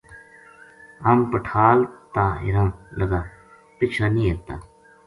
ہم پھٹال تا ہیراں لگا پچھاں نی ہیرتا